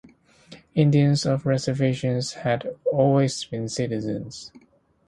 Indians off reservations had always been citizens.